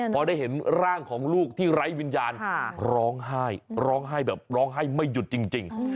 พอได้เห็นร่างของลูกที่ไร้วิญญาณร้องไห้ร้องไห้แบบร้องไห้ไม่หยุดจริง